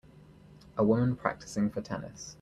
A woman practicing for tennis.